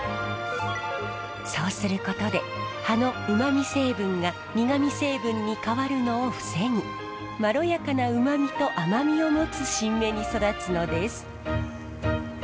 そうすることで葉のうまみ成分が苦み成分に変わるのを防ぎまろやかなうまみと甘みを持つ新芽に育つのです。